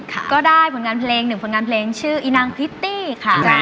อีนำนี่อันนี้จะเล่าเพลงหนึ่งเพลงชื่ออีนางตริตตี้ค่ะ